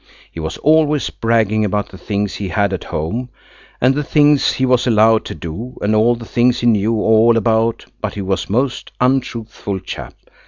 He was always bragging about the things he had at home, and the things he was allowed to do, and all the things he knew all about, but he was a most untruthful chap.